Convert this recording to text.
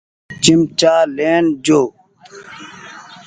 چمچآ لين جو ۔